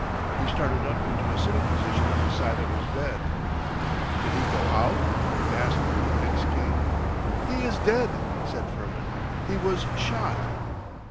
He started up into a sitting position on the side of his bed. 'Did he go out?' asked the ex king. 'He is dead,' said Firmin. 'He was shot.